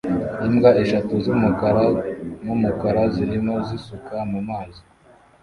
Imbwa eshatu z'umukara n'umukara zirimo zisuka mu mazi